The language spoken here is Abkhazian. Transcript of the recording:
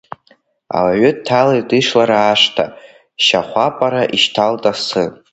Ауаҩы дҭалеит ишлара ашҭа, шьахәапара ишьҭалт асы.